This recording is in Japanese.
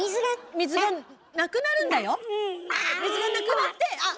水がなくなってあっ！